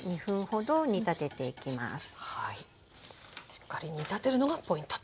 しっかり煮立てるのがポイントと。